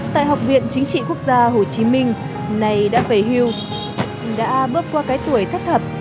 tại học viện chính trị quốc gia hồ chí minh này đã về hưu đã bước qua cái tuổi thất thập